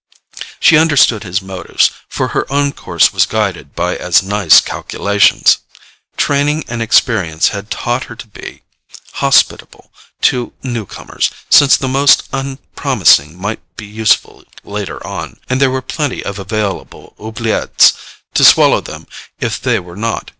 She understood his motives, for her own course was guided by as nice calculations. Training and experience had taught her to be hospitable to newcomers, since the most unpromising might be useful later on, and there were plenty of available OUBLIETTES to swallow them if they were not.